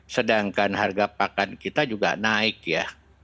sedangkan harga pakan kita juga naik ya